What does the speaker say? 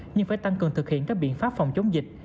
nhưng phải tăng cường thực hiện các biện pháp phòng chống dịch